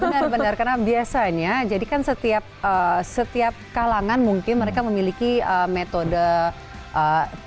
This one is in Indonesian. benar benar karena biasanya jadi kan setiap kalangan mungkin mereka memiliki metode